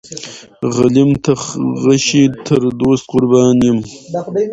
غلیم ته غشی تر دوست قربان یم.